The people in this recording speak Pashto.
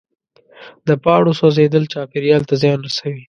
د پاڼو سوځېدل چاپېریال ته زیان رسوي.